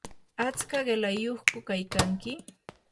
¿atska qilayyuqku kaykanki?